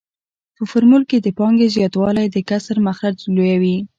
په فورمول کې د پانګې زیاتوالی د کسر مخرج لویوي